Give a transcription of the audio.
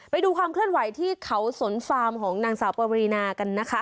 ไปดูความเคลื่อนไหวที่เขาสนฟาร์มของนางสาวปวีนากันนะคะ